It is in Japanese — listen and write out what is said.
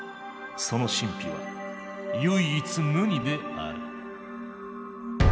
その神秘は唯一無二である。